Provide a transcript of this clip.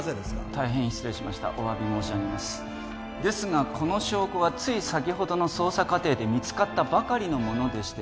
大変失礼しましたお詫び申し上げますですがこの証拠はつい先ほどの捜査過程で見つかったばかりのものでして